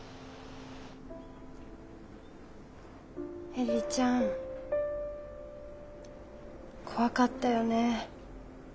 映里ちゃん怖かったよね。